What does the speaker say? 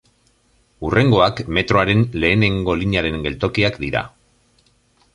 Hurrengoak metroaren lehenengo linearen geltokiak dira.